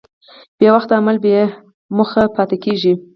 بېوخته عمل بېموخه پاتې کېږي.